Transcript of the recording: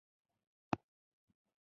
د عمومي جرګې غونډه په ورسا کې جوړه کړه.